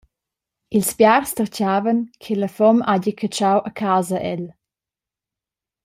Ils biars tertgavan, che la fom hagi catschau a casa el.